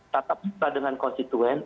tetapi kita dengan konstituen